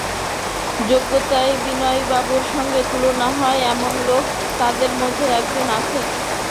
যোগ্যতায় বিনয়বাবুর সঙ্গে তুলনা হয় এমন লোক ওঁদের মধ্যে কজন আছে!